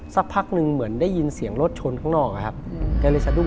สักพักนึงเหมือนได้ยินเสียงรถชนข้างนอกอะครับ